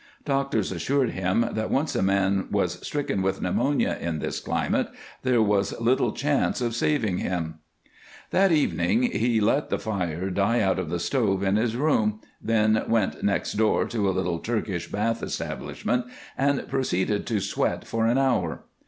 Doctors assured him that once a man was stricken with pneumonia in this climate there was little chance of saving him. That evening he let the fire die out of the stove in his room, then went next door to a little Turkish bath establishment, and proceeded to sweat for an hour.